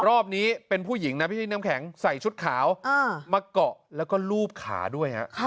รอบนี้เป็นผู้หญิงนะพี่น้ำแข็งใส่ชุดขาวมาเกาะแล้วก็ลูบขาด้วย